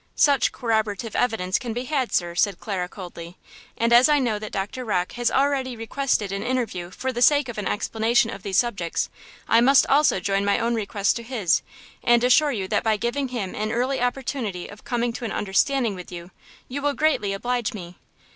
"Such corroborative evidence can be had, sir," said Clara, coldly "and as I know that Doctor Rocke has already requested an interview for the sake of an explanation of these subjects, I must also join my own request to his, and assure you that by giving him an early opportunity of coming to an understanding with you, you will greatly oblige me."